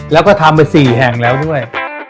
แล้วก็ทำไป๔แห่งแล้วด้วย